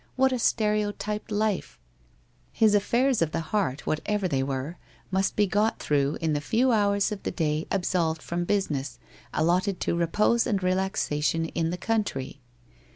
What a stereotyped life ! His affairs of the heart, whatever they were, must be got through in the few hours of the day ab solved from business, allotted to repose and relaxation in the country.